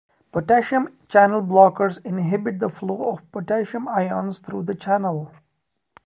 Potassium channel blockers inhibit the flow of potassium ions through the channel.